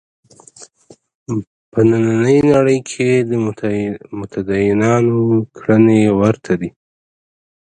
په نننۍ نړۍ کې د متدینانو کړنې ورته دي.